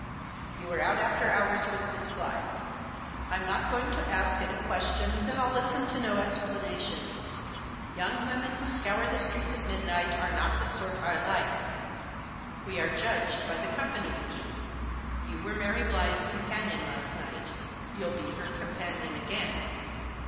You were out after hours with Miss Blyth. I'm not going to ask any questions, and I'll listen to no explanations ; young women who scour the streets at midnight are not the sort I like. We are judged by the company we keep. You were Mary Blyth's companion last night ; you'll be her companion again.